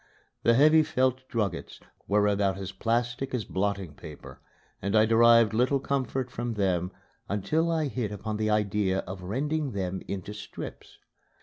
The heavy felt druggets were about as plastic as blotting paper and I derived little comfort from them until I hit upon the idea of rending them into strips.